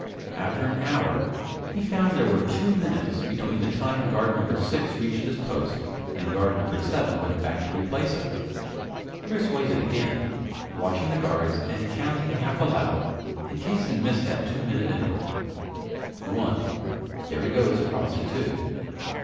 After an hour, he found there were two minutes between the time Guard Number Six reached his post and Guard Number Seven went back to replace him. Chris waited again, watching the guards and counting half aloud in case he missed that two minute interval. "One there he goes across to Two.